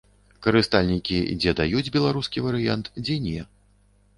Карыстальнікі дзе дадаюць беларускі варыянт, дзе не.